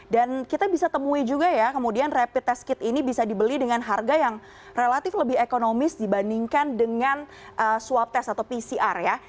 dan kita bisa temui juga ya kemudian rapid test kit ini bisa dibeli dengan harga yang relatif lebih ekonomis dibandingkan dengan swab test atau pcr ya